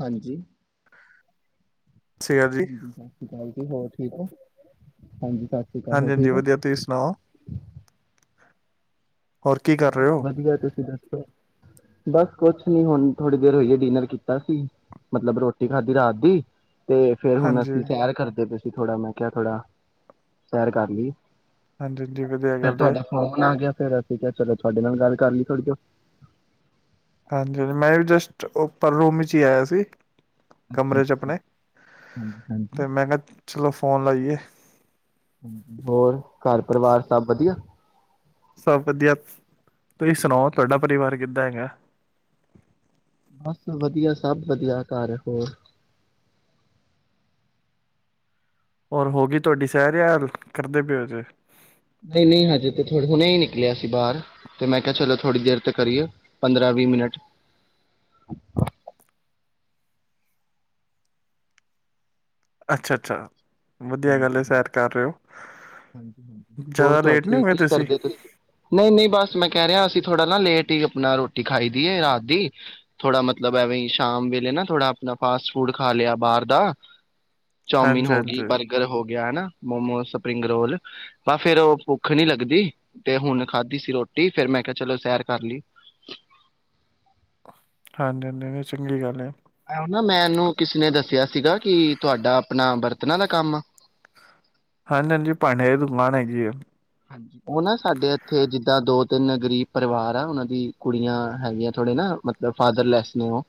ਹਾਂਜੀ ਸਤਿ ਸ਼੍ਰੀ ਅਕਾਲ ਜੀ ਹਾਂਜੀ ਸਤਿ ਸ਼੍ਰੀ ਅਕਾਲ ਜੀ ਹੋਰ ਠੀਕ ਹੋ ਹਾਂਜੀ ਸਤਿ ਸ਼੍ਰੀ ਅਕਾਲ ਹਾਂਜੀ ਹੋਰ ਹਾਂਜੀ ਠੀਕ ਹੋ ਵਧੀਆ ਤੁਸੀਂ ਸੁਣਾਓ ਹੋਰ ਕੀ ਕਰ ਬਸ ਰਹੇ ਹੋ ਵਧੀਆ ਤੁਸੀਂ ਦੱਸੋ ਬਸ ਕੁਛ ਨੀ ਹੁਣ ਥੋੜ੍ਹੀ ਦੇਰ ਹੋਈ ਹੈ ਡਿਨਰ ਕੀਤਾ ਸੀ ਮਤਲਬ ਰੋਟੀ ਖਾਧੀ ਰਾਤ ਦੀ ਤੇ ਫੇਰ ਹੁਣ ਹਾਂਜੀ ਅਸੀਂ ਤਿਆਰ ਕਰਦੇ ਪਏ ਤੁਸੀ ਥੋੜ੍ਹਾ ਮੈਂ ਕਿਹਾ ਥੋੜਾ ਸੈਰ ਕਰ ਲਈ ਹਾਂਜੀ ਹਾਂਜੀ ਵਧੀਆ ਫੇਰ ਗੱਲ ਹੈ ਤੁਹਾਡਾ ਫੋਨ ਆ ਗਿਆ ਫਿਰ ਅਸੀਂ ਚਲੋ ਤੁਹਾਡੇ ਨਾਲ ਗੱਲ ਕਰ ਲਈ ਥੋੜੀ ਦੇਰ ਹਾਂਜੀ ਹਾਂਜੀ ਮੈਂ ਵੀ ਜਸਟ ਪਰ ਉਹ ਰੂਮ ਵਿੱਚ ਹੀ ਆਇਆ ਸੀ ਅੱਛਾ ਕਮਰੇ ਚ ਅੱਛਾ ਆਪਣੇ ਹਾਂਜੀ ਹਾਂਜੀ ਤੇ ਮੈਂ ਕਿਹਾ ਚਲੋ ਫੋਨ ਲਾਈਏ ਹੋਰ ਘਰ ਪਰਿਵਾਰ ਸਭ ਵਧੀਆ ਸਭ ਵਧੀਆ ਤੁਸੀਂ ਸੁਣਾਓ ਤੁਹਾਡਾ ਪਰਿਵਾਰ ਕਿੱਦਾਂ ਹੈਗਾ ਬਸ ਵਧੀਆ ਸਭ ਵਧੀਆ ਘਰ ਹੋਰ ਹੋਰ ਹੋ ਗਈ ਤੁਹਾਡੀ ਸਹਿਰ ਯਾਂ ਕਰਦੇ ਪਿਓ ਜੇ ਨਹੀਂ ਨਹੀਂ ਹਜੇ ਤੇ ਥੋੇ ਹੁਣੇ ਹੀ ਨਿਕਲਿਆ ਸੀ ਬਾਹਰ ਤੇ ਮੈਂ ਕਿਹਾ ਚਲੋ ਥੋੜੀ ਦੇਰ ਤੇ ਕਰੀਏ ਪੰਦਰਾਂ ਵੀਹ ਮਿੰਟ ਅੱਛਾ ਅੱਛਾ ਵਧੀਆ ਗੱਲ ਹਜੀ ਹੈ ਹ ਸੈਰ ਕਰ ਰਹੇ ਹੋ ਹਜੀ ਹਜੀ ਹੋਰ ਜ਼ਿਆਦਾ ਤਾਂ ਲੇਟ ਨਹੀਂ ਕੀ ਹੋ ਗਏ ਕਰਦੇ ਤੁਸੀਂ ਨਹੀਂ ਨਹੀਂ ਬਸ ਮੈਂ ਕਹਿ ਰਿਹਾ ਅਸੀਂ ਥੋੜਾ ਨਾ ਲੇਟ ਹੀ ਆਪਣਾ ਰੋਟੀ ਖਾਈ ਦੀ ਹੈ ਰਾਤ ਦੀ ਥੋੜਾ ਮਤਲਬ ਐਵੇਂ ਸ਼ਾਮ ਵੇਲੇ ਨਾ ਥੋੜਾ ਆਪਣਾ ਫਾਸਟ ਫੂਡ ਖਾ ਲਿਆ ਬਾਹਰ ਦਾ ਚੌਮਨ ਹਾਂਜੀ ਹੋ ਹਾਂਜੀ ਗਈ ਬਰਗਰ ਹੋ ਗਿਆ ਹਨਾ ਮੋਮੋ ਸਭ ਸਪਰਿੰਗ ਰੋਲ ਵ ਫੇਿਰ ਉਹ ਭੁੱਖ ਨੀ ਲੱਗਦੀ ਤੇ ਹੁਣ ਖਾਧੀ ਸੀ ਰੋਟੀ ਫੇਿਰ ਮੈਂ ਕਿਹਾ ਚਲੋ ਸੈਰ ਕਰ ਲਈ ਹਾਂਜੀ ਹਾਂਜੀ ਚੰਗੀ ਗੱਲ ਹੈ ਆ ਨਾ ਮੈਂਨੂੰ ਕਿਸੇ ਨੇ ਦੱਸਿਆ ਸੀਗਾ ਕਿ ਤੁਹਾਡਾ ਆਪਣਾ ਬਰਤਣ ਦਾ ਕੰਮ ਆ ਹਾਂਜੀ ਹਾਂਜੀ ਭਾਂਡੇ ਦੀ ਦੁਕਾਨ ਹੈ ਜੀ ਆ ਹਾਂ ਉਹ ਨਾ ਸਾਡੇ ਇੱਥੇ ਜਿੱਦਾਂ ਦੋ ਤਿੰਨ ਗ਼ਰੀਬ ਪਰਿਵਾਰ ਆ ਉਹਨਾਂ ਦੀ ਕੁੜੀਆਂ ਹੈਗੀਆਂ ਥੋੜੇ ਨਾ ਮਤਲਬ ਫਾਦਰਲੈਸ ਨੇ ਉਹ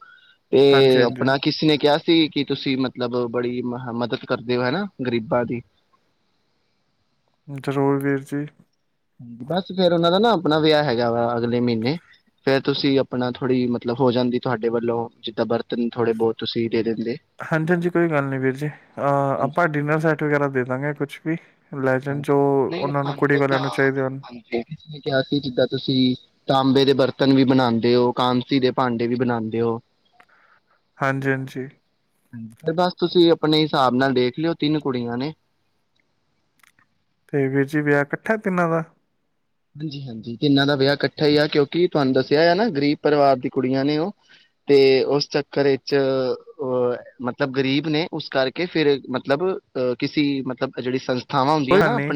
ਤੇ ਹਾਂਜੀ ਹਾਂਜੀ ਆਪਣਾ ਕਿਸਨੇ ਕਿਹਾ ਕਿ ਤੁਸੀਂ ਮਤਲਬ ਬੜੀ ਮਦਦ ਕਰਦੇ ਹੋ ਹਨਾ ਗ਼ਰੀਬਾਂ ਦੀ ਜ਼ਰੂਰ ਵੀਰ ਜੀ ਹਾਂ ਬਸ ਫੇਿਰ ਉਹਨਾਂ ਦਾ ਨਾ ਆਪਣਾ ਵਿਆਹ ਹੈਗਾ ਵਾ ਅਗਲੇ ਮਹੀਨੇ ਫੇਰ ਤੁਸੀਂ ਆਪਣਾ ਥੋੜ੍ਹੀ ਮਤਲਬ ਹੋ ਜਾਂਦੀ ਤੁਹਾਡੇ ਵੱਲੋਂ ਜਿੱਦਾਂ ਬਰਤਨ ਥੋੜੇ ਬਹੁਤ ਤੁਸੀਂ ਦੇ ਦਿੰਦੇ ਹਾਂਜੀ ਹਾਂਜੀ ਕੋਈ ਗੱਲ ਨੀ ਵੀਰ ਜੀ ਅਹ ਆਪਾਂ ਡਿਨਰ ਸੈੱਟ ਵਗੈਰਾ ਦੇ ਦਾਂਗੇ ਕੁਛ ਵੀ ਲੈਜ ਜੋ ਉਹਨਾਂ ਨੂੰ ਕੁੜੀ ਵਾਲਿਆਂ ਨੂੰ ਚਾਹੀਦੇ ਹਨ ਹਾਂਜੀ ਕਿਹਾ ਸੀ ਜਿੱਦਾਂ ਤੁਸੀਂ ਤਾਂਬੇ ਦੇ ਬਰਤਨ ਵੀ ਬਣਾਦੇ ਹੋ ਕਾਂਸੀ ਦੇ ਭਾਂਡੇ ਵੀ ਬਣਾਦੇ ਹੋ ਹਾਂਜੀ ਹਾਂਜੀ ਤੇ ਬਸ ਤੁਸੀਂ ਆਪਣੇ ਹਿਸਾਬ ਨਾਲ ਦੇਖ ਲਿਓ ਤਿੰਨ ਕੁੜੀਆਂ ਨੇ ਤੇ ਵੀਰ ਜੀ ਵਿਆਹ ਇਕੱਠਾ ਤਿੰਨਾਂ ਦਾ ਹਾਂਜੀ ਹਾਂਜੀ ਤੇ ਇਹਨਾਂ ਦਾ ਵਿਆਹ ਇਕੱਠਾ ਹੀ ਆ ਕਿਉਂਕਿ ਤੁਹਾਨੂੰ ਦੱਸਿਆ ਆ ਨਾ ਗ਼ਰੀਬ ਪਰਿਵਾਰ ਦੀ ਕੁੜੀਆਂ ਨੇ ਉਹ ਤੇ ਉਸ ਚੱਕਰ ਵਿੱਚ ਅ ਮਤਲਬ ਗਰੀਬ ਨੇ ਉਸ ਕਰਕੇ ਫਿਰ ਮਤਲਬ ਅਹ ਕਿਸੀ ਮਤਲਬ ਜਿਹੜੀ ਸੰਸਥਾ ਕੋਈ ਗੱਲ ਨੀ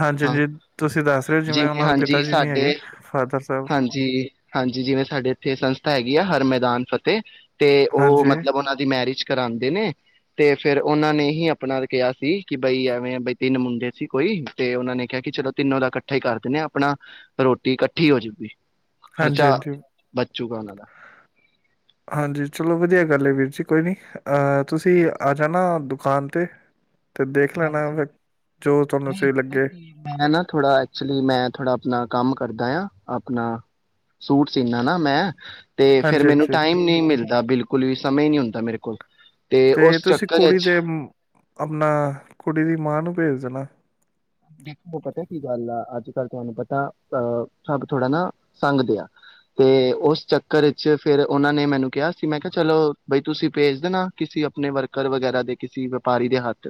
ਹਾਂਜੀ ਹਾਂ ਹਾਂਜੀ ਤੁਸੀਂ ਦੱਸ ਰਹੇ ਹੋ ਜਿਵੇਂ ਉਹਨਾਂ ਦੇ ਹਾਂਜੀ ਪਿਤਾ ਜੀ ਨਹੀਂ ਸਾਡੇ ਹੈਗੇ ਫਾਦਰ ਸਾਹਿਬ ਹਾਂਜੀ ਹਾਂਜੀ ਜਿਵੇਂ ਸਾਡੇ ਇੱਥੇ ਸੰਸਥਾ ਹੈਗੀ ਆ ਹਰ ਮੈਦਾਨ ਫਤਿਹ ਤੇ ਉਹ ਹਾਂਜੀ ਮਤਲਬ ਉਹਨਾਂ ਦੀ ਮੈਰਿਜ ਕਰਾਦੇ ਨੇ ਤੇ ਫੇਰ ਉਹਨਾਂ ਨੇ ਹੀ ਆਪਣਾ ਕਿਹਾ ਸੀ ਕਿ ਬਈ ਐਵੇਂ ਬਈ ਤਿੰਨ ਮੁੰਡੇ ਸੀ ਕੋਈ ਤੇ ਉਹਨਾਂ ਨੇ ਕਿਹਾ ਕਿ ਚਲੋ ਤਿੰਨੋ ਦਾ ਇਕੱਠੇ ਹੀ ਕਰ ਦਿੰਦੇ ਹਾਂ ਆਪਣਾ ਰੋਟੀ ਇਕੱਠੀ ਹੋਜੂਗੀ। ਹਾਂਜੀ ਖ਼ਰਚਾ ਹਾਂਜੀ ਬਚ ਜੂਗਾ ਉਹਨਾਂ ਦਾ ਹਾਂਜੀ ਚਲੋ ਵਧੀਆ ਗੱਲ ਹੈ ਵੀਰ ਜੀ ਕੋਈ ਨੀ ਅਹ ਤੁਸੀਂ ਆ ਜਾਣਾ ਦੁਕਾਨ ਤੇ ਤੇ ਦੇਖ ਲੈਣਾ ਹਾਜੀ ਫਿਰ ਜੋ ਤੁਹਾਨੂੰ ਨਹੀਂ ਸਹੀ ਪਤਾ ਲੱਗੇ ਕੀ ਮੈਂ ਨਾ ਥੋੜਾ ਐਕਚੁਲੀ ਮੈਂ ਥੋੜਾ ਆਪਣਾ ਕੰਮ ਕਰਦਾ ਆ ਆਪਣਾ ਸੂਟ ਸੀਨਾ ਨਾ ਮੈਂ ਤੇ ਫੇਰ ਹਾਂਜੀ ਮੈਨੂੰ ਹਾਂਜੀ ਟਾਈਮ ਨਹੀਂ ਮਿਲਦਾ ਬਿਲਕੁਲ ਵੀ ਸਮੇਂ ਨੀ ਹੁੰਦਾ ਮੇਰੇ ਕੋਲ ਕੋਈ ਤੇ ਤੁਸੀਂ ਕੁੜੀ ਦੇ ਆਪਣਾ ਕੁੜੀ ਦੀ ਮਾਂ ਨੂੰ ਭੇਜ ਦੇਣਾ। ਦੇਖੋ ਪਤਾ ਕੀ ਗੱਲ ਆ ਅੱਜ ਕੱਲ ਤੁਹਾਨੂੰ ਪਤਾ ਅਹ ਸਭ ਥੋੜਾ ਨਾ ਸੰਘਦੇ ਆ ਤੇ ਉਸ ਚੱਕਰ ਵਿੱਚ ਫਿਰ ਉਹਨਾਂ ਨੇ ਮੈਨੂੰ ਕਿਹਾ ਸੀ ਮੈਂ ਕਿਹਾ ਚਲੋ ਬਈ ਤੁਸੀਂ ਭੇਜ ਦੇਣਾ ਕਿਸੇ ਆਪਣੇ ਵਰਕਰ ਵਗੈਰਾ ਦੇ ਕਿਸੇ ਵਪਾਰੀ ਦੇ ਹੱਥ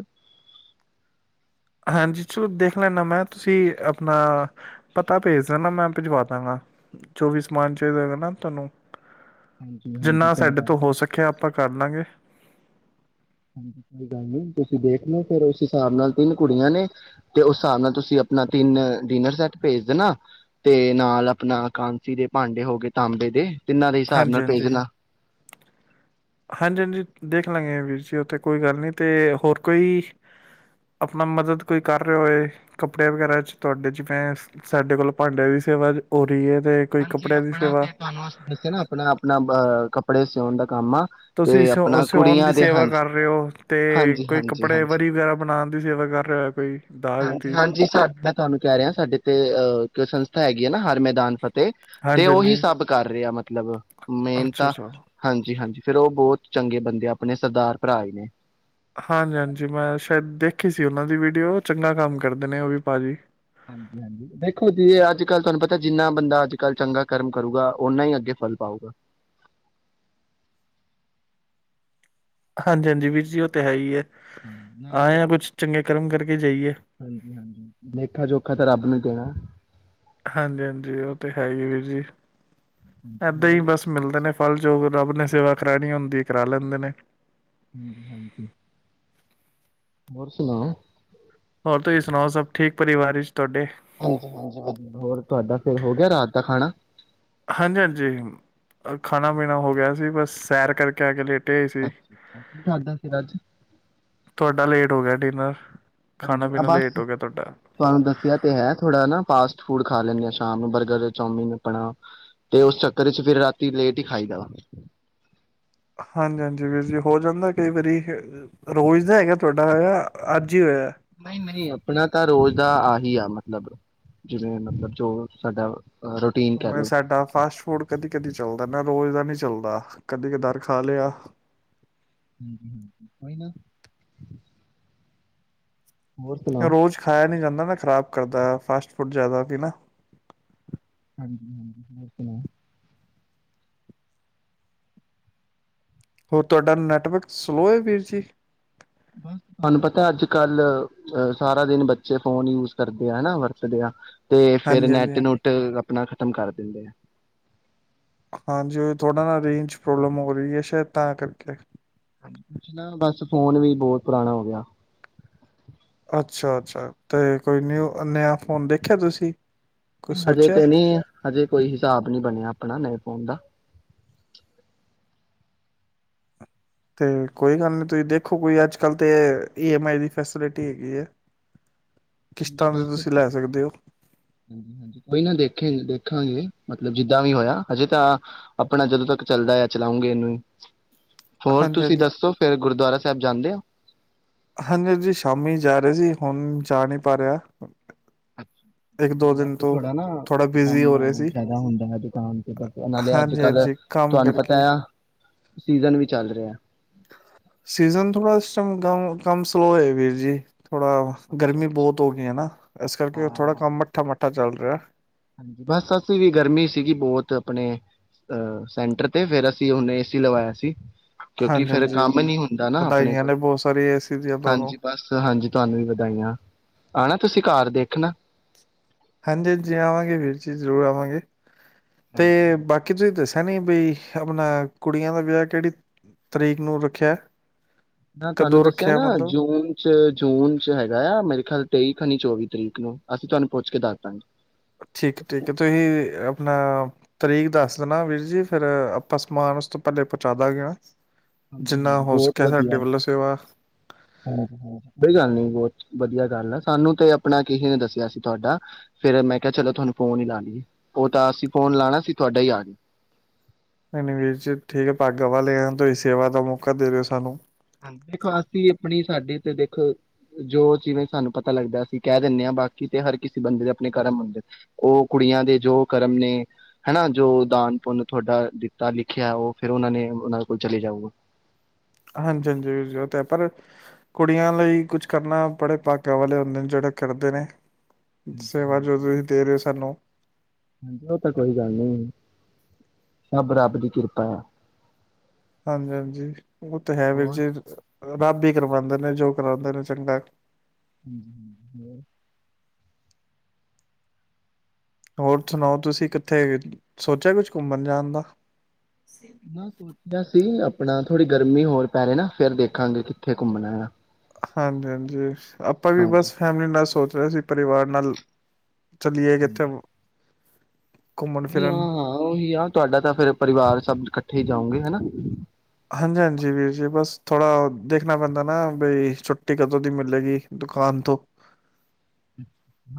ਹਾਂਜੀ ਚਲੋ ਦੇਖ ਲੈਂਦਾ ਮੈਂ ਤੁਸੀਂ ਆਪਣਾ ਪਤਾ ਭੇਜ ਦੇ ਨਾ ਮੈਂ ਭਜਵਾ ਦਾਂਗਾ ਜੋ ਵੀ ਸਮਾਨ ਚਾਹੀਦਾ ਨਾ ਤੁਹਾਨੂੰ ਹਾਂਜੀ ਹਾਂਜੀ ਜਿੰਨਾ ਕੋਈ ਸਾਡੇ ਗੱਲ ਤੋਂ ਹੋ ਸਕਿਆ ਆਪਾਂ ਕਰ ਲਾਂਗੇ। ਤੁਸੀਂ ਦੇਖ ਲੋ ਫੇਰ ਉਸ ਹਿਸਾਬ ਨਾਲ ਤਿੰਨ ਕੁੜੀਆਂ ਨੇ ਤੇ ਉਸ ਹਿਸਾਬ ਨਾਲ ਤੁਸੀਂ ਆਪਣਾ ਤਿੰਨ ਡਿਨਰ ਸੈੱਟ ਭੇਜ ਦੇਣਾ ਤੇ ਨਾਲ ਆਪਣਾ ਕਾਂਸੀ ਦੇ ਭਾਂਡੇ ਹੋ ਗਏ ਤਾਂਬੇ ਦੇ ਤਿੰਨਾਂ ਦੇ ਹਿਸਾਬ ਹਾਂਜੀ ਨਾਲ ਭੇਜ ਹਾਂਜੀ ਦੇਣਾ। ਹਾਂਜੀ ਹਾਂਜੀ ਦੇਖ ਲਾਂਗੇ ਵੀਰ ਜੀ ਉੱਥ ਕੋਈ ਗੱਲ ਨੀ ਤੇ ਹੋਰ ਕੋਈ ਆਪਣਾ ਮਦਦ ਕੋਈ ਕਰ ਰਹੇ ਹੋਏ ਕੱਪੜੇ ਵਗੈਰਾ ਚ ਤੁਹਾਡੇ ਜਿਵੇਂ ਸਾਡੇ ਕੋਲ ਭਾਂਡਿਆਂ ਦੀ ਸੇਵਾ ਹੋ ਰਹੀ ਹੈ। ਤੇ ਕੋਈ ਹਾਂਜੀ ਕੱਪੜਿਆਂ ਦੀ ਆਪਣਾ ਸੇਵਾ ਤੁਹਾਨੂੰ ਦੱਸੇ ਨਾ ਆਪਣਾ ਆਪਣਾ ਅ ਕੱਪੜੇ ਸੌਣ ਦਾ ਕੰਮ ਆ ਤੁਸੀਂ ਤੇ ਸ ਆਪਣਾ ਸਿਆਉਣ ਕੁੜੀਆਂ ਦੀ ਦੇ ਸੇਵਾ ਹਾਂਜੀ ਕਰ ਰਹੇ ਹੋ ਤੇ ਹਾਂਜੀ ਕੋਈ ਹਾਂਜੀ ਕੱਪੜੇ ਹਾਂਜੀ ਵਰੀ ਵਗੈਰਾ ਬਣਾਉਣ ਦੀ ਸੇਵਾ ਕਰ ਰਹੇ ਕੋਈ ਦਾਜ ਹਾਂਜੀ ਦੀ ਹਾਂਜੀ ਕੋਈ ਸੰਸਥਾ ਹੈਗੀ ਹੈ ਨਾ ਹਰ ਮੈਦਾਨ ਫਤਿਹ ਤੇ ਹਾਂਜੀ ਉਹੀ ਹਾਂਜੀ ਸਭ ਕਰ ਰਿਹਾ ਆ ਮਤਲਬ ਮਤਲਬ ਮੇਨ ਅੱਛਾ ਤਾਂ ਅੱਛਾ ਹਾਂਜੀ ਹਾਂਜੀ। ਫੇਰ ਉਹ ਬਹੁਤ ਚੰਗੇ ਬੰਦੇ ਆ ਆਪਣੇ ਸਰਦਾਰ ਭਰਾ ਹੀ ਨੇ। ਹਾਂਜੀ-ਹਾਂਜੀ ਮੈਂ ਸ਼ਾਇਦ ਦੇਖੀ ਸੀ ਉਹਨਾਂ ਦੀ ਵੀਡੀਓ, ਚੰਗਾ ਕੰਮ ਕਰਦੇ ਨੇ ਉਹ ਵੀ ਭਾਜੀ। ਹਾਂਜੀ-ਹਾਂਜੀ ਦੇਖੋ ਜੀ ਅੱਜ ਕੱਲ੍ਹ ਤੁਹਾਨੂੰ ਪਤਾ, ਜਿੰਨਾ ਬੰਦਾ ਅੱਜ ਕੱਲ੍ਹ ਚੰਗਾ ਕਰਮ ਕਰੂਗਾ, ਓਨਾ ਹੀ ਅੱਗੇ ਫਲ ਪਾਊਗਾ। ਹਾਂਜੀ-ਹਾਂਜੀ ਵੀਰ ਜੀ, ਉਹ ਤਾਂ ਹੈ ਹੀ ਹੈ। ਆਏ ਹ ਕੁੱਛ ਚੰਗੇ ਕਰਮ ਕਰਕੇ। ਜਾਈਏ। ਹਾਂਜੀ-ਹਾਂਜੀ, ਲੇਖਾ- ਜੋਖਾ ਤਾਂ ਰੱਬ ਨੂੰ ਪਣਾ। ਹਾਂਜੀ-ਹਾਂਜੀ, ਉਹ ਤੇ ਹੈ ਹੀ ਵੀਰ ਜੀ। ਹਾਂਜੀ ਇਏਦਾਂ ਹੀ ਹੋਰ ਬਸ ਮਿਲਦੇ ਨੇ। ਫਲ ਜੋੋਗ, ਰੱਬ ਨੇ ਸੇਵਾ ਕਰਾਣੀ ਹੁੰਦੀ ਹੈ, ਕਰਾ ਲੈਂਦੇ ਨੇ‌। ਹਮ, ਹਾਂਜੀ। ਹੋਰ ਸੁਣਾਓ? ਹੋਰ ਤੁਸੀਂ ਸੁਣਾਓ? ਸਭ ਠੀਕ ਪਰਿਵਾਰ ਵਿੱਚ ਤੁਹਾਡੇ। ਹਾਂਜੀ-ਹਾਂਜੀ, ਵਧੀਆ ਹੋਰ ਤੁਹਾਡਾ ਫਿਰ ਹੋ ਗਿਆ ਰਾਤ ਦਾ ਖਾਣਾ। ਹਾਂਜੀ- ਹਾਂਜੀ, ਖਾਣਾ- ਪੀਣਾ ਹੋ ਗਿਆ ਸੀ ਬਸ ਸੈਰ ਕਰਕੇ ਆ ਕੇ ਲੇ ਅੱਛਾ-ਅੱਛਾ ਕੀ ਖਾਂਦਾ, ਫਿਰ ਅੱਜ? ਤੁਹਾਡਾ ਲੇਟ ਹੋ ਗਿਆ, ਡਿਨਰ। ਖਾਣਾ ਹਾਂਜੀ, ਪੀਣਾ ਬਸ ਲੇਟ ਹੋ ਗਿਆ ਤੁਹਾਡਾ। ਤੁਹਾਨੂੰ ਦੱਸਿਆ ਤੇ ਹੈ ਥੋੜ੍ਹਾ ਨਾ। ਫਾਸਟ ਫੂਡ ਖਾ ਲੈਂਦੇ ਹਾਂ, ਸ਼ਾਮ ਬਰਗਰ, ਚੌਮੀਨ, ਆਪਣਾ। ਤੇ ਉਸ ਚੱਕਰ 'ਚ ਫਿਰ ਰਾਤੀ ਲੇਟ ਹੀ ਖਾਈ ਦਾ ਵਾ। ਹਾਂਜੀ ਹਾਂਜੀ ਵੀਰ ਜੀ ਹੋ ਜਾਂਦਾ ਕਈ ਵਾਰੀ, ਰੋਜ਼ ਦਾ ਹੈਗਾ ਤੁਹਾਡਾ ਅੱਜ ਹੀ ਹੋਇਆ। ਨਹੀਂ- ਨਹੀਂ ਆਪਣਾ ਤਾਂ ਰੋਜ਼ ਦਾ ਆਹੀ ਆ ਮਤਲਬ, ਜਿਵੇਂ ਮਤਲਬ ਜੋ ਸਾਡਾ। ਰੂਟੀਨ ਕਹਿ ਲਓ ਸਾਡਾ ਫਾਸਟ ਫੂਡ ਕਦੀ- ਕਦੀ ਚੱਲਦਾ ਨਾ ਰੋਜ਼ ਦਾ ਨਹੀਂ ਚੱਲਦਾ ਕਦੀ ਕਦਾਰ ਖਾ ਲਿਆ। [inaudible] ਹੋਰ ਸੁਣਾਓ ਰੋਜ਼ ਖਾਇਆ ਨੀ ਜਾਂਦਾ ਨਾ। ਖ਼ਰਾਬ ਕਰਦਾ ਫਾਸਟ ਫੂਡ ਜ਼ਿਆਦਾ ਪ ਨਾ। [inaudible] ਹੋਰ, ਤੁਹਾਡਾ ਨੈਟਵਰਕ ਸਲੋਅ ਹੈ, ਵੀਰ ਜੀ। ਬ ਤੁਹਾਨੂੰ ਪਤਾ, ਅੱਜ ਕੱਲ੍ਹ ਅਹ ਸਾਰਾ ਦਿਨ ਬੱਚੇ ਫੋਨ ਯੂਜ ਕਰਦੇ ਆ ਹਨਾ ਵਰਤਦੇ ਆ। ਤੇ ਫੇਰ ਹਾਂਜੀ ਹਾਂਜੀ ਨੈਟ- ਨੂੱਟ ਆਪਣਾ ਖ਼ਤਮ ਕਰ ਦਿੰਦੇ ਆ। ਹਾਂਜੀ, ਥੋੜ੍ਹਾ ਨਾ ਰੇਂਜ ਪ੍ਰੋਬਲਮ ਹੋ ਰਹੀ ਹੈ, ਸ਼ਾਇਦ ਤਾਂ ਕਰਕੇ। ਹਾਂਜੀ, [inaudible] ਬਸ ਫੋਨ ਵੀ ਬਹੁਤ ਪੁਰਾਣਾ ਹੋ ਗਿਆ। ਅੱਛਾ-ਅੱਛਾ ਤੇ ਕੋਈ ਨਿਊ ਨਯ ਫੋਨ ਦੇਖਿਆ ਤੁਸੀਂ। ਕੁਛ ਹਜੇ ਸੋਚਿਆ ਤੇ ਨਹੀ, ਹਜੇ ਕੋਈ ਹਿਸਾਬ ਨਹੀਂ ਬਣਿਆ ਆਪਣਾ ਨਹੀਂ। ਫੋਨ ਦਾ‌। ਤੇ ਕੋਈ ਗੱਲ ਨੀ, ਤੁਸੀਂ ਦੇਖੋ ਅਜ-ਕੱਲ ਤਾਂ ਈ ਐਮ ਆਈ ਦੀ ਫੈਸਿਲਿਟੀ ਹੈਗੀ ਹੈ। ਹਾਂਜੀ ਕਿਸ਼ਤਾਂ ਤੇ ਬਿਲਕੁਲ ਤੁਸੀਂ ਲੈ ਸਕਦੇ ਹੋ ਆਹੀ ਨਾ ਦੇਖਿਆ ਦੇਖਾਂਗੇ ਮਤਲਬ ਜਿੱਦਾਂ ਵੀ ਹੋਇਆ ਹਜੇ ਤਾਂ ਆਪਣਾ ਜਦੋਂ ਤੱਕ ਚੱਲਦਾ ਆ ਚਲਾਉਂਗੇ ਇਹਨੂੰ ਹੀ ਹੋਰ ਹਾਂਜੀ ਤੁਸੀਂ ਹਾਂਜੀ ਦੱਸੋ ਫੇਰ ਗੁਰਦੁਆਰਾ ਸਾਹਿਬ ਜਾਂਦੇ ਹੋ। ਹਾਂਜੀ ਹਾਂਜੀ ਸ਼ਾਮੀ ਜਾ ਰਹੇ ਸੀ ਹੁਣ ਜਾ ਨਹੀਂ ਪਾ ਰਿਹਾ। ਇੱਕ ਦੋ ਬਸ ਦਿਨ ਤੋਂ ਥੋੜਾ ਨਾ ਥੋੜਾ ਬਿਜ਼ੀ ਕੰਮ ਹੋ ਰਹੇ ਸੀ ਜ਼ਿਆਦਾ ਹੁੰਦਾ ਹੈ ਦੁਕਾਨ ਤੇ ਬਸ ਉਹੇ ਅੱਜ ਹਾਂਜੀ ਕੱਲ ਹਾਂਜੀ ਕੰਮ ਤੁਹਾਨੂੰ ਕਰਕੇ ਪਤਾ ਆ ਸੀਜ਼ਨ ਵੀ ਚੱਲ ਰਿਹਾ। ਸੀਜ਼ਨ ਥੋੜਾ ਇਸ ਟੈਮ ਕਮ ਸਲੋਅ ਹੈ ਵੀਰ ਜੀ। ਥੋੜਾ ਅੱਛਾ। ਗਰਮੀ ਬਹੁਤ ਹੋ ਗਈ ਨਾ ਇਸ ਕਰਕੇ ਥੋੜਾ ਕੰਮ ਮੱਠਾ ਮੱਠਾ ਚੱਲ ਰਿਹਾ। ਹਾਂਜੀ ਬਸ ਅਸੀਂ ਵੀ ਗਰਮੀ ਸੀਗੀ ਬਹੁਤ ਆਪਣੇ ਅ ਸੈਂਟਰ ਤੇ ਫੇਰ ਅਸੀਂ ਉਹਨੇ ਏਸੀ ਲਵਾਇਆ ਸੀ। ਕਿਉਂਕਿ ਹਾਂਜੀ ਫੇਰ ਹਾਂਜੀ ਕੰਮ ਨੀ ਹੁੰਦਾ ਨਾ ਆਪਣੇ ਵਧਾਈਆਂ ਕੋਲ ਨੇ ਬਹੁਤ ਸਾਰੀ ਏਸੀ ਦੀਆਂ ਤੁਹਾਨੂੰ ਹਾਂਜੀ ਬਸ ਹਾਂਜੀ ਤੁਹਾਨੂੰ ਵੀ ਵਧਾਈਆਂ ਹਾ। ਤੁਸੀਂ ਘਰ ਦੇਖਣਾ ਹਾਂਜੀ ਜੀ ਆਵਾਂਗੇ ਵੀਰ ਜੀ ਜ਼ਰੂਰ ਆਵਾਂਗੇ। ਤੇ ਬਾਕੀ ਤੁਸੀਂ ਦੱਸਿਆ ਨੀ ਬੀ ਆਪਣਾ ਕੁੜੀਆਂ ਦਾ ਵਿਆਹ ਕਿਹੜੀ ਤਰੀਕ ਨੂੰ ਰੱਖਿਆ ਐ। ਮੈਂ ਤੁਹਾਨੂੰ ਦੱਸਿਆ ਨਾ ਜੂਨ ਚ ਜੂਨ ਚ ਹੈਗਾ ਆ ਮੇਰੇ ਖਿਆਲ ਤੇਈ ਖਨੀ ਚੌਵੀ ਤਰੀਕ ਨੂੰ ਅਸੀਂ ਤੁਹਾਨੂੰ ਪੁੱਛ ਕੇ ਦੱਸ ਦਾਂਗੇ। ਠੀਕ ਠੀਕ ਹੈ ਤੁਸੀ ਆਪਣਾ ਤਰੀਕ ਦੱਸ ਦੇਣਾ ਵੀਰ ਜੀ ਫੇਰ ਆਪਾਂ ਸਮਾਨ ਉਸ ਤੋਂ ਪਹਿਲੇ ਪਹੁੰਚਾ ਦਾਂਗੇ ਨਾ। ਹਾਂਜੀ ਜਿੰਨਾ ਹਾਂਜੀ ਹੋ ਬਹੁਤ ਸਕਿਆ ਵਧੀਆ ਸਾਡੇ ਵੱਲੋਂ ਸੇਵਾ ਹਾਂਜੀ ਹਾਂਜੀ ਕੋਈ ਗੱਲ ਨੀ ਬਹੁਤ ਵਧੀਆ ਗੱਲ ਆ ਸਾਨੂੰ ਤੇ ਆਪਣਾ ਕਿਸੇ ਨੇ ਦੱਸਿਆ ਸੀ ਤੁਹਾਡਾ ਫੇਰ ਮੈਂ ਕਿਹਾ ਚਲੋ ਤੁਹਾਨੂੰ ਫੋਨ ਹੀ ਲਾਣੇ ਆ। ਉਹ ਤਾਂ ਅਸੀਂ ਫੋਨ ਲਾਉਣਾ ਅਸੀ ਤੁਹਾਡਾ ਹੀ ਆ ਗਿਆ। ਐਵੇ ਵੀਰ ਜੀ ਠੀਕ ਹੈ ਭੱਗ ਵਾਲੇ ਆ ਤੁਸੀਂ ਸੇਵਾ ਦਾ ਮੌਕਾ ਦੇ ਰਹੇ ਹੋ ਸਾਨੂੰ। ਦੇਖੋ ਅਸੀਂ ਆਪਣੀ ਸਾਡੇ ਤੇ ਦੇਖ ਜੋ ਜਿਵੇਂ ਸਾਨੂੰ ਪਤਾ ਲੱਗਦਾ ਅਸੀਂ ਕਹਿ ਦਿੰਦੇ ਹਾਂ ਬਾਕੀ ਤੇ ਹਰ ਕਿਸੇ ਬੰਦੇ ਦੇ ਆਪਣੇ ਕਰਮ ਹੁੰਦੇ ਉਹ ਕੁੜੀਆਂ ਦੇ ਜੋ ਕਰਮ ਨੇ ਹਨਾ ਜੋ ਦਾਨ ਪੁੰਨ ਤੁਹਾਡਾ ਦਿੱਤਾ ਲਿਖਿਆ ਉਹ ਫਿਰ ਉਹਨਾਂ ਨੇ ਉਹਨਾਂ ਕੋਲ ਚਲੇ ਜਾਊਗਾ। ਹਾਂਜੀ ਹਾਂਜੀ ਜ਼ਰੂਰਤ ਹੈ ਪਰ ਕੁੜੀਆਂ ਲਈ ਕੁਛ ਕਰਨਾ ਬੜੇ ਭਾਗਾਂ ਵਾਲੇ ਹੁੰਦੇ ਨੇ ਜਿਹੜੇ ਕਰਦੇ ਨੇ। ਹਾਂਜੀ ਸੇਵਾ ਜੋ ਤੁਸੀਂ ਦੇ ਰਹੇ ਹੋ ਸਾਨੂੰ ਹਾਂਜੀ ਉਹ ਤਾਂ ਕੋਈ ਗੱਲ ਨੀ ਸਭ ਰੱਬ ਦੀ ਕਿਰਪਾ ਹੈ। ਹਾਂਜੀ ਹਾਂਜੀ ਉਹ ਤਾਂ ਹੈ ਵੀਰ ਹੋਰ ਜੀ ਰੱਬ ਹੀ ਕਰਵਾਦੇ ਨੇ ਜੋ ਕਰਉਂਦੇ ਨੇ ਚੰਗਾ ਹੂੰ ਹੋਰ ਹੋਰ ਸੁਣਾਓ ਤੁਸੀਂ ਕਿੱਥੇ ਸੋਚਿਆ ਕੁਛ ਘੁੰਮਣ ਜਾਣ ਦਾ ਮੈਂ ਸੋਚਿਆ ਸੀ। ਆਪਣਾ ਥੋੜ੍ਹੀ ਗਰਮੀ ਹੋਰ ਪੈ ਰਹੀ ਨਾ ਫੇਰ ਦੇਖਾਂਗੇ ਕਿੱਥੇ ਘੁੰਮਣਾ ਹੈ ਨਾ ਹਾਂਜੀ ਹਾਂਜੀ। ਆਪਾਂ ਵੀ ਹਾਂਜੀ ਬਸ ਫੈਮਿਲੀ ਨਾਲ ਸੋਚ ਸੀ ਪਰਿਵਾਰ ਨਾਲ ਚਲੀਏ ਹਾਂਜੀ, ਕਿੱਥੇ ਘੁੰਮਣ ਨਹੀਂ ਹਾਂ ਫਿਰਨ ਹਾਂ ਉਹੀ ਆ ਤੁਹਾਡਾ ਤਾਂ ਫੇਿਰ ਪਰਿਵਾਰ ਸਭ ਇਕੱਠ ਉੱਠੇ ਹੀ ਜਾਉਂਗੇ ਹਨਾ ਹਾਂਜੀ ਹਾਂਜੀ ਵੀਰ ਜੀ ਬਸ ਥੋੜਾ ਦੇਖਣਾ ਪੈਂਦਾ ਨਾ ਬਈ ਛੁੱਟੀ ਕਦੋਂ ਦੀ ਮਿਲੇਗੀ ਦੁਕਾਨ ਤੋਂ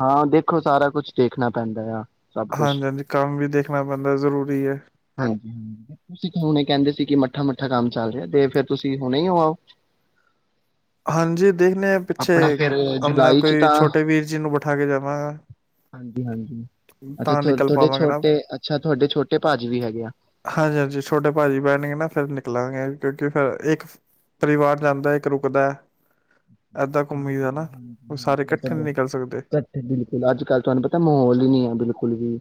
ਹਾਂ ਦੇਖੋ ਸਾਰਾ ਕੁਛ ਦੇਖਣਾ ਪੈਂਦਾ ਆ ਸਭ ਕੁਛ ਹਾਂਜੀ-ਹਾਂਜੀ ਕੰਮ ਵੀ ਦੇਖਣਾ ਪੈਂਦਾ ਜ਼ਰੂਰੀ ਹੈ। ਹਾਂਜੀ ਹ ਹੁਣੇ ਕਹਿੰਦੇ ਸੀ ਕਿ ਮ ਮੱਠਾ ਮੱਠਾ ਕੰਮ ਚੱਲ ਰਿਹਾ ਤੇ ਫੇਰ ਤੁਸੀਂ ਹੁਣੇ ਹੋਓ ਹਾਂਜੀ ਦੇਖਣੇ ਆ ਪਿੱਛੇ ਆਪਣਾ ਜੁਲਾਈ ਚ ਕੋਈ ਤਾਂ ਛੋਟੇ ਵੀਰ ਜੀ ਨੂੰ ਬਿਠਾ ਕੇ ਜਾਵਾਂਗਾ ਹਾਂਜੀ ਹਾਂਜੀ ਅੱਛਾ ਤਾਂ ਤੁ ਨਿਕਲ ਤੁਹਾਡੇ ਪਾਵਾਂਗੇ ਨਾ ਛੋਟੇ ਅੱਛਾ ਤੁਹਾਡੇ ਛੋਟੇ ਭਾਜੀ ਵੀ ਹੈਗੇ ਆ ਹਾਂਜੀ ਹਾਂਜੀ ਛੋਟੇ ਭਾਜੀ ਬਹਿਣਗੇ ਨਾ ਫਿਰ ਨਿਕਲਾਂਗੇ ਕਿਉਂਕਿ ਫਿਰ ਇੱਕ ਪਰਿਵਾਰ ਜਾਂਦਾ ਇੱਕ ਰੁਕਦਾ ਕੁਦਾ ਸਾਰੇ ਇਕੱਠੇ ਨਹੀਂ ਨਿਕਲ ਸਕਦੇ। ਬਿਲਕੁਲ ਅੱਜ ਕੱਲ ਤੁਹਾਨੂੰ ਪਤਾ ਮਾਹੌਲ ਹੀ ਨੀ ਹੈ ਬਿਲਕੁਲ ਵੀ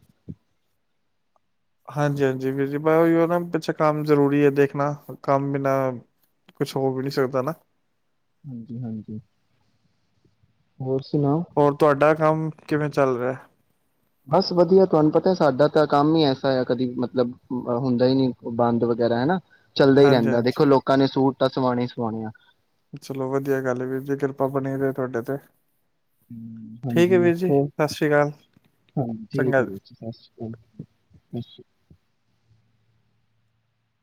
ਹਾਂਜੀ ਹਾਂਜੀ ਵੀਰ ਜੀ ਉਹੀ ਨਾ ਪਿੱਛੇ ਕੰਮ ਜ਼ਰੂਰੀ ਹੈ ਦੇਖਣਾ ਕੰਮ ਬਿਨਾ ਕੁਛ ਹੋ ਵੀ ਨਹੀਂੀ ਸਕਦਾ ਨਾ ਹੋਰ ਸੁਣਾਓ ਹੋਰ ਤੁਹਾਡਾ ਕੰਮ ਕਿਵੇਂ ਚੱਲ ਰਿਹਾ ਬਸ ਵਧੀਆ ਤੁਹਾਨੂੰ ਪਤਾ ਸਾਡਾ ਤਾਂ ਕੰਮ ਹੀ ਐਸਾ ਆ ਕਦੀ ਮਤਲਬ ਹੁੰਦਾ ਹੀ ਨਹੀਂੀ ਬੰਦ ਵਗੈਰਾ ਹਨਾ ਚੱਲਦਾ ਹੀ ਹਾਂਜੀ, ਰਹਿੰਦਾ ਦੇਖੋ ਹਾਂਜੀ ਲੋਕਾਂ ਨੇ ਸੂਟ ਤਾਂ ਸਵਾਣੀ ਹੀ ਸਵਾਣੀ ਆ ਚਲੋ ਵਧੀਆ ਗੱਲ ਵੀਰ ਜੇ ਕਿਰਪਾ ਬਣੀ ਰਹੇ ਤੁਹਾਡੇ ਤੇ ਹ ਠੀਕ ਹੈ ਹਾਂਜੀ ਵੀਰ ਜੀ ਹੋਰ ਸਤਿ ਸ੍ਰੀ ਅਕਾਲ ਹਾਂ ਠੀਕ ਚੰਗਾ ਜੀ। ਸਤਿ ਸ੍ਰੀ ਅਕਾਲ ਸ ਸ਼੍ਰੀ ਅ